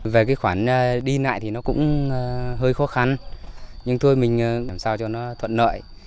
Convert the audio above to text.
về khoản đi nại thì nó cũng hơi khó khăn nhưng thôi mình làm sao cho nó thuận nợi